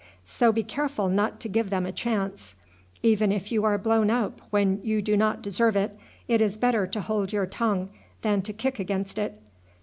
So be careful not to give them a chance. Even if you are blown up when you do not deserve it, it is better to hold your tongue than to kick against it.